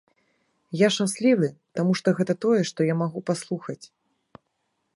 Я шчаслівы, таму што гэта тое, што я магу паслухаць.